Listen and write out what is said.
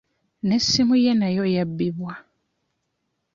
N'essimu ye nayo yabbibwa.